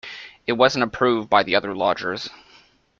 It wasn't approved by the other lodgers.